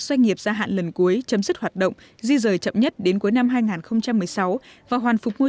doanh nghiệp gia hạn lần cuối chấm dứt hoạt động di rời chậm nhất đến cuối năm hai nghìn một mươi sáu và hoàn phục môi